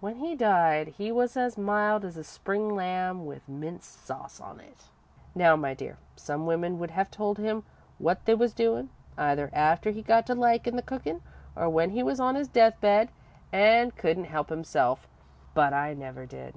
When he died, he was as mild as a spring lamb with mint sauce on it. "Now, my dear, some women would have told him what they was doin', either after he got to likin' the cookin' or when he was on his death bed an' couldn't help himself, but I never did.